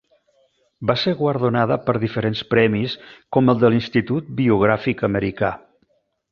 Va ser guardonada per diferents premis com el de l'Institut Biogràfic Americà.